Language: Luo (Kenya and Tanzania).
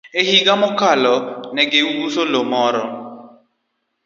E higa mokalo, ne giuso lowo moro.